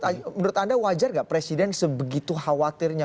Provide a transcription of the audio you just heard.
tapi menurut anda wajar gak presiden sebegitu khawatirnya